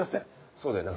そうだよな？